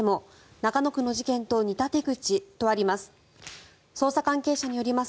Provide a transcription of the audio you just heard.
中野区の事件と似た手口とあります。